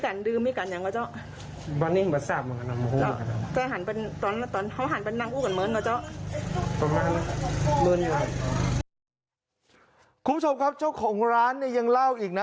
คุณผู้ชมครับเจ้าของร้านเนี่ยยังเล่าอีกนะ